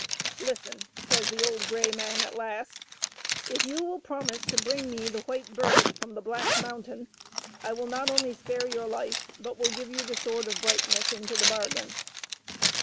" Listen," says the old grey man at last ;" if you will promise to bring me the White Bird from the black mountain, I will not only spare your life, but will give you the Sword of Brightness into the bargain."